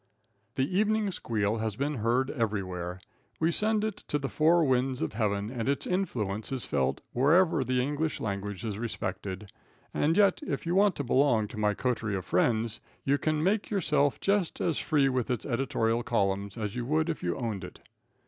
The "Evening Squeal" has been heard everywhere. We send it to the four winds of Heaven, and its influence is felt wherever the English language is respected. And yet, if you want to belong to my coterie of friends, you can make yourself just as free with its editorial columns as you would if you owned it.